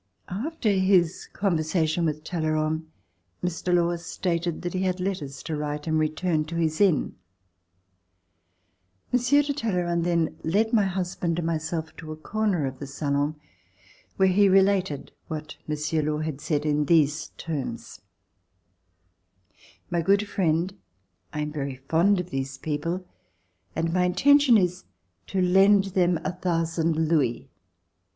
After his conversation with Talleyrand, Mr. Law stated that he had letters to write and re turned to his inn. Monsieur de Talleyrand then led my husband and myself to a corner of the salon where he related what Monsieur Law had said, in these terms: "My good friend, I am very fond of these people, and my intention is to lend them a thousand louis.